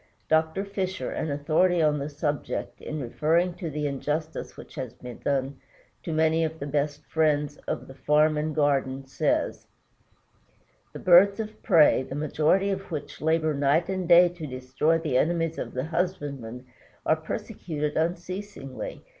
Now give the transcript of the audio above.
Dr. Fisher, an authority on the subject, in referring to the injustice which has been done to many of the best friends of the farm and garden, says: "The birds of prey, the majority of which labor night and day to destroy the enemies of the husbandman, are persecuted unceasingly.